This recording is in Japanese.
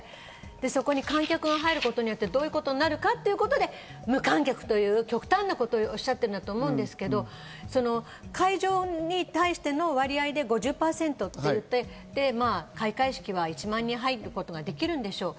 そこに観客が入ることによってどういうことになるのかってことで無観客という極端なことをおっしゃってると思うんですけど、会場に対する割合で５０％っていって、開会式は一番に入ることができるんでしょう。